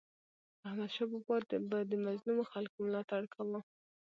احمدشاه بابا به د مظلومو خلکو ملاتړ کاوه.